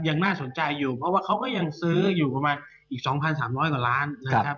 ยังน่าสนใจอยู่เพราะว่าเขาก็ยังซื้ออยู่ประมาณอีก๒๓๐๐กว่าล้านนะครับ